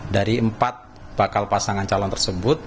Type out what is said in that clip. dari empat bakal pasangan calon tersebut